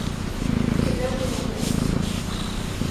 "Que deus nos aumente".